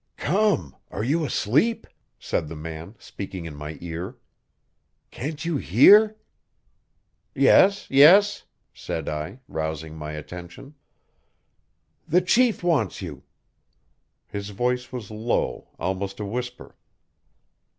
"Come! are you asleep?" said the man, speaking in my ear. "Can't you hear?" "Yes, yes," said I, rousing my attention. "The chief wants you." His voice was low, almost a whisper.